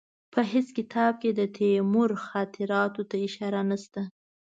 په هېڅ کتاب کې د تیمور خاطراتو ته اشاره نشته.